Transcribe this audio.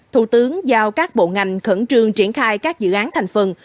thủ tướng giao các bộ ngành khẩn trương triển khai các dự án thành phần